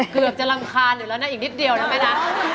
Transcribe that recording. เกือบจะรำคาญอยู่แล้วนะอีกนิดเดียวนะแม่นะ